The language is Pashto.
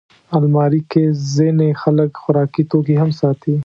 الماري کې ځینې خلک خوراکي توکي هم ساتي